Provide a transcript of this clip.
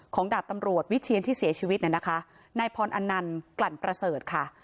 ดาบตำรวจวิเชียนที่เสียชีวิตเนี่ยนะคะนายพรอนันต์กลั่นประเสริฐค่ะ